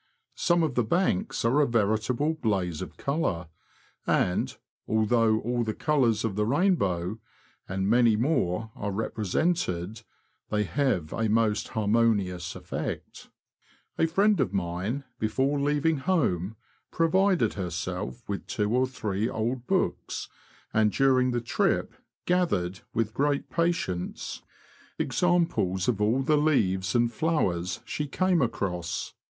Some of the banks are a veritable blaze of colour ; and, although all the colours of the rainbow, and many THE BROAD DISTRICT IN SUMMER. 219 more, are represented, they have a most harmonious effect. A friend of mine, before leaving home, pro vided herself with two or three old books, and during the trip gathered, with great patience, examples of all the leaves and flowers she came across.